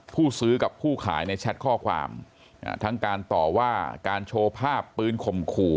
ผู้ซื้อกับผู้ขายในแชทข้อความทั้งการต่อว่าการโชว์ภาพปืนข่มขู่